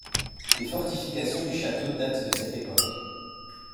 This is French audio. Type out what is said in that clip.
Les fortifications du château datent de cette époque.